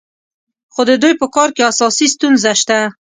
خو د دوی په کار کې اساسي ستونزه شته.